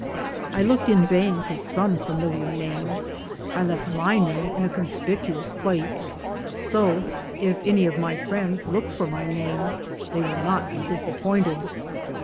I looked in vain for some familiar name. I left my name in a conspicu ous place, so if any of my friends look for my name they will not be disappointed.